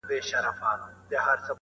دې بېدردو ته به ولي د ارمان کیسه کومه -